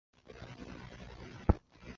书中七次提到所罗门的名字。